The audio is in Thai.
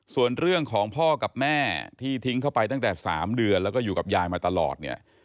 ส่วนเรื่องของพ่อกับแม่ที่ทิ้งเข้าไปตั้งแต่๓เดือนแล้วก็อยู่กับยายมาตลอดเนี่ย